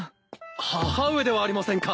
母上ではありませんか。